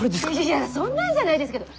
いやそんなんじゃないですけど！